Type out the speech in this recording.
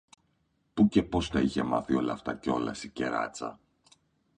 Πού και πώς τα είχε μάθει όλα αυτά κιόλας, η κεράτσα;